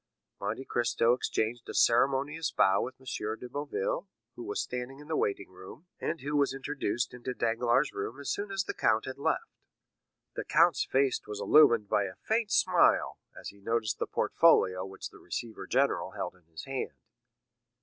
Monte Cristo exchanged a ceremonious bow with M. de Boville, who was standing in the waiting room, and who was introduced into Danglars' room as soon as the count had left. The count's serious face was illumined by a faint smile, as he noticed the portfolio which the receiver general held in his hand.